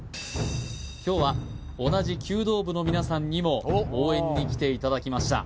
今日は同じ弓道部の皆さんにも応援に来ていただきました